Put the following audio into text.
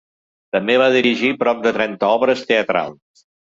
També va dirigir prop de trenta obres teatrals.